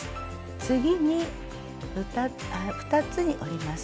次に２つに折ります。